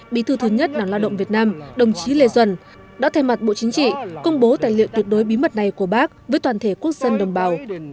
bí thư thứ nhất đảng lao động việt nam đồng chí lê duẩn đã thay mặt bộ chính trị công bố tài liệu tuyệt đối bí mật này của bác với toàn thể quốc dân đồng bào